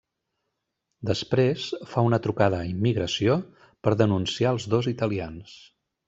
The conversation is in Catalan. Després, fa una trucada a immigració per denunciar els dos italians.